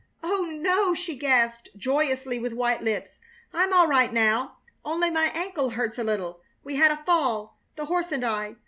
"Oh no," she gasped, joyously, with white lips. "I'm all right now. Only my ankle hurts a little. We had a fall, the horse and I.